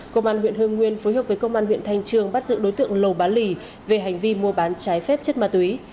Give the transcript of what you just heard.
công an huyện hương nguyên phối hợp với công an huyện thanh trương bắt giữ đối tượng lầu bá lì về hành vi mua bán trái phép chất ma túy